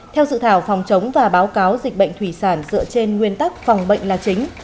theo dự thảo phòng chống và báo cáo dịch bệnh thủy sản dựa trên nguyên tắc phòng bệnh là chính